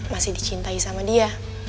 masih dicintai sama dia